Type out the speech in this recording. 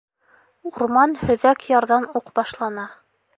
Урман һөҙәк ярҙан уҡ башлана.